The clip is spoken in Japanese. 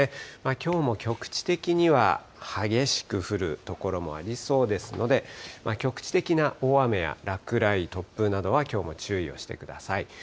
きょうも局地的には激しく降る所もありそうですので、局地的な大雨や落雷、突風などは、きょうも注意をしてください。